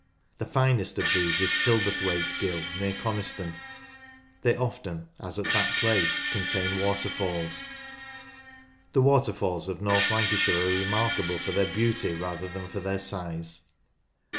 The finest of these is Tilberthwaite Gill near Coniston. They often, as at that place, contain waterfalls. The waterfalls of 5 2 68 NORTH LANCASHIRE North Lancashire are remarkable for their beauty rather than for their size.